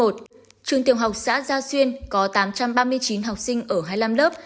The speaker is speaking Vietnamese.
trường tiểu học xã gia xuyên có tám trăm ba mươi chín học sinh ở hai mươi năm lớp